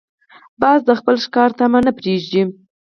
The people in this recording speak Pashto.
باز د خپل ښکار طمع نه پرېږدي